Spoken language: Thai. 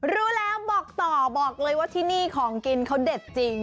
รู้แล้วบอกต่อบอกเลยว่าที่นี่ของกินเขาเด็ดจริง